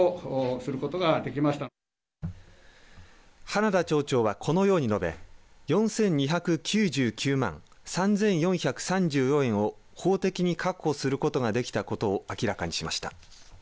花田町長は、このように述べ４２９９万円３４３４円を法的に確保することができたことを明らかにしました。